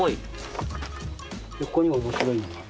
ここにも面白いものが。